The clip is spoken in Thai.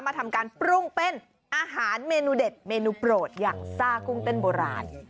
ทำการปรุงเป็นอาหารเมนูเด็ดเมนูโปรดอย่างซ่ากุ้งเต้นโบราณ